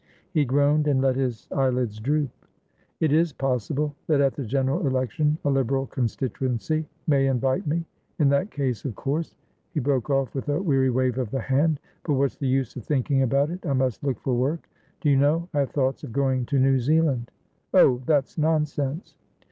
He groaned, and let his eyelids droop. "It is possible that, at the general election, a Liberal constituency may invite me. In that case, of course" He broke off with a weary wave of the hand. "But what's the use of thinking about it? I must look for work. Do you know, I have thoughts of going to New Zealand." "Oh! That's nonsense!"